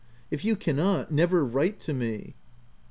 If you cannot, never write to me